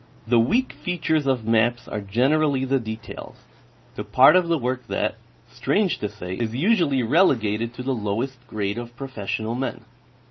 The weak features of maps are generally the details, the part of the work that, strange to say, is usually relegated to the lowest grade of professional men.